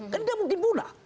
kan gak mungkin puna